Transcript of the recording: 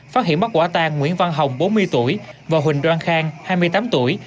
phát hiện bắt quả tang nguyễn văn hồng bốn mươi tuổi và huỳnh đoan khang hai mươi tám tuổi